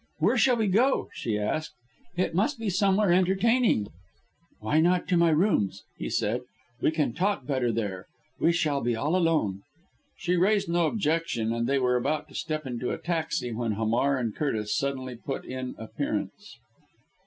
"Where shall we go?" she asked. "It must be somewhere entertaining." "Why not to my rooms?" he said. "We can talk better there we shall be all alone!" She raised no objection, and they were about to step into a taxi, when Hamar and Curtis suddenly put in appearance.